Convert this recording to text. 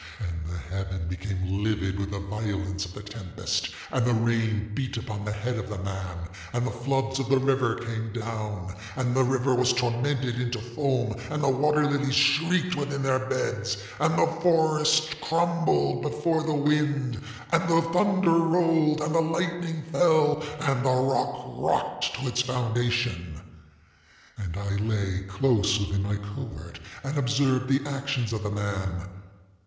And the heaven became livid with the violence of the tempestŌĆöand the rain beat upon the head of the manŌĆöand the floods of the river came downŌĆöand the river was tormented into foamŌĆöand the water lilies shrieked within their bedsŌĆöand the forest crumbled before the windŌĆöand the thunder rolledŌĆöand the lightning fellŌĆöand the rock rocked to its foundation. And I lay close within my covert and observed the actions of the man.